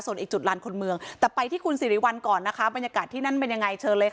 ส่วนอีกจุดล้านคนเมือง